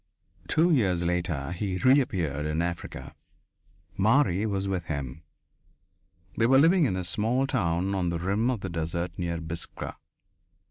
Two years later he reappeared in Africa. Marie was with him. They were living in a small town on the rim of the desert near Biskra.